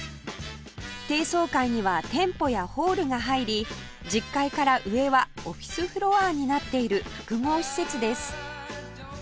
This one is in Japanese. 低層階には店舗やホールが入り１０階から上はオフィスフロアになっている複合施設です